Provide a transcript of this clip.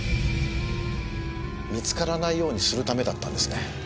見つからないようにするためだったんですね。